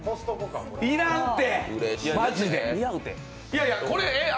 いらんて！